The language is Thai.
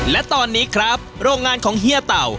และตอนนี้ครับโรงงานของเฮียเต่า